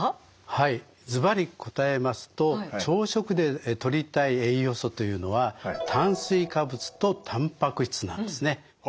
はいずばり答えますと朝食でとりたい栄養素というのは炭水化物とたんぱく質なんですね。